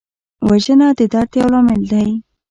وژنه د درد یو لامل دی